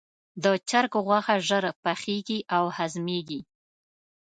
د چرګ غوښه ژر پخیږي او هضمېږي.